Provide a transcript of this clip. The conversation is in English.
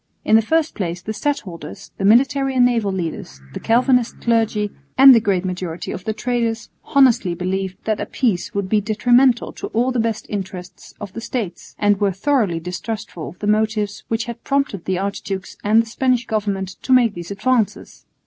In the first place the stadholders, the military and naval leaders, the Calvinist clergy, and the great majority of the traders honestly believed that a peace would be detrimental to all the best interests of the States, and were thoroughly distrustful of the motives which had prompted the archdukes and the Spanish government to make these advances.